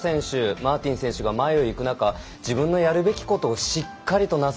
マーティン選手が前を行く中自分のやるべきことをしっかりとなす。